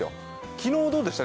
昨日どうでした？